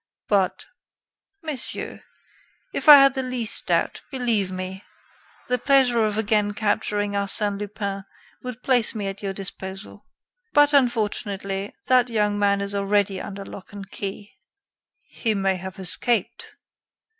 "But " "Monsieur, if I had the least doubt, believe me, the pleasure of again capturing Arsène Lupin would place me at your disposal. But, unfortunately, that young man is already under lock and key." "He may have escaped."